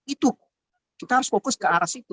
itu kita harus fokus ke arah situ